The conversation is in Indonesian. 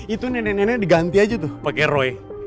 itu nenek neneknya diganti aja tuh pake roy